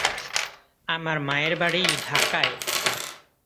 আমার মায়ের বাড়ি ঢাকায়।